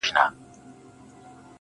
دا هوښیاري نه غواړم، عقل ناباب راکه.